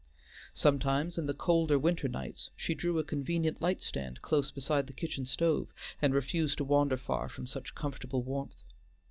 Sometimes in the colder winter nights, she drew a convenient light stand close beside the kitchen stove and refused to wander far from such comfortable warmth.